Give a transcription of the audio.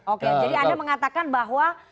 oke jadi anda mengatakan bahwa